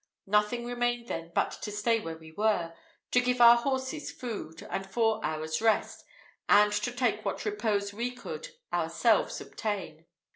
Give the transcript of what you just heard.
Nothing remained then but to stay where we were, to give our horses food, and four hours' rest, and to take what repose we could ourselves obtain.